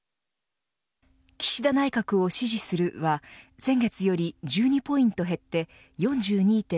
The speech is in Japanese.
岸田内閣を支持するは先月より１２ポイント減って４２．３％。